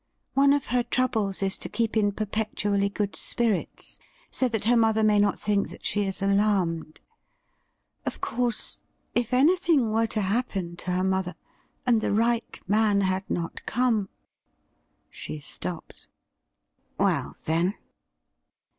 One of her troubles is to keep in perpetually good spirits, so that her mother may not think that she is alarmed. Of course, if anything were to happen to her mother, and the right man had not come ' She stopped. 'Well, then?'